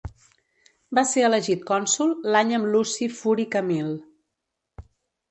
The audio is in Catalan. Va ser elegit cònsol l'any amb Luci Furi Camil.